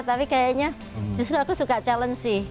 tapi kayaknya justru aku suka challenge sih